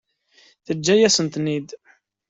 Teǧǧa-yasent-ten-id.